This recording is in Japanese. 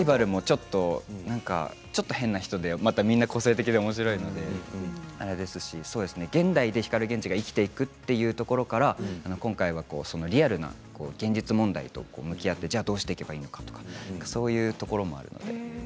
ちょっと変だったりみんな個性的なんですけど現代に光源氏が生きていくというところから今回リアルな現実問題と向き合ってじゃあどうしていけばいいのかとかそういうところもあるので。